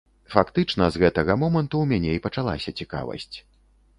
Фактычна з гэтага моманту ў мяне і пачалася цікавасць.